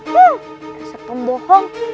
dan setelah membohong